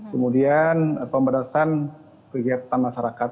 kemudian pembedasan kegiatan masyarakat